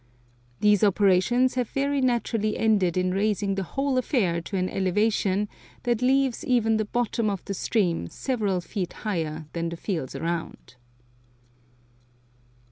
These operations have very naturally ended in raising the whole affair to an elevation that leaves even the bottom of the stream several feet higher than the fields around.